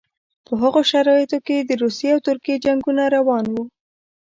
په هغو شرایطو کې د روسیې او ترکیې جنګونه روان وو.